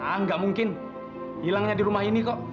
enggak mungkin hilangnya di rumah ini kok